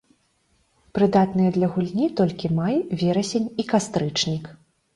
Прыдатныя для гульні толькі май, верасень і кастрычнік.